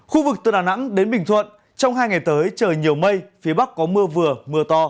khu vực từ đà nẵng đến bình thuận trong hai ngày tới trời nhiều mây phía bắc có mưa vừa mưa to